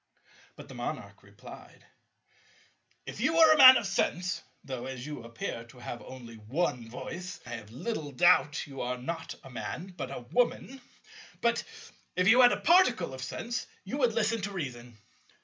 But the Monarch replied, "If you were a Man of sense—though, as you appear to have only one voice I have little doubt you are not a Man but a Woman—but, if you had a particle of sense, you would listen to reason.